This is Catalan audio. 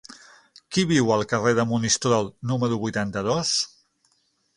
Qui viu al carrer de Monistrol número vuitanta-dos?